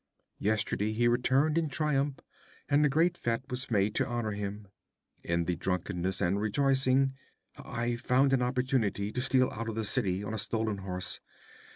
Yesterday he returned in triumph, and a great fete was made to honor him. In the drunkenness and rejoicing, I found an opportunity to steal out of the city on a stolen horse.